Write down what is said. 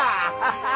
ハハハハ。